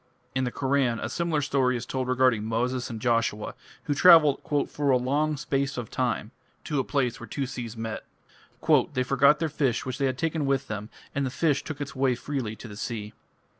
In the Koran a similar story is told regarding Moses and Joshua, who travelled "for a long space of time" to a place where two seas met. "They forgot their fish which they had taken with them, and the fish took its way freely to the sea."